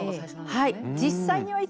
はい。